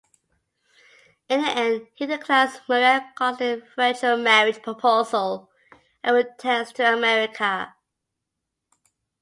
In the end, he declines Maria Gostrey's virtual marriage proposal and returns to America.